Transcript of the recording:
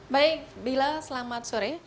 baik bila selamat sore